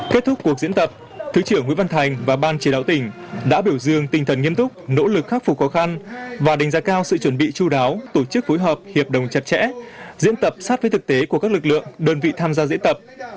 kết thúc cuộc diễn tập thứ trưởng nguyễn văn thành và ban chỉ đạo tỉnh đã biểu dương tinh thần nghiêm túc nỗ lực khắc phục khó khăn và đánh giá cao sự chuẩn bị chú đáo tổ chức phối hợp hiệp đồng chặt chẽ diễn tập sát với thực tế của các lực lượng đơn vị tham gia diễn tập